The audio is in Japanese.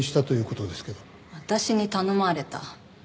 私に頼まれた？